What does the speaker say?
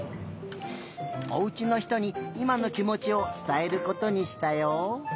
おうちのひとにいまのきもちをつたえることにしたよ。